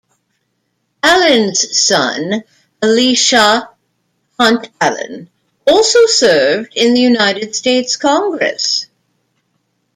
Allen's son, Elisha Hunt Allen, also served in the United States Congress.